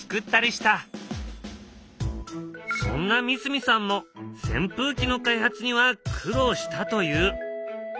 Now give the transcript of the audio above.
そんな三角さんもせん風機の開発には苦労したと言う。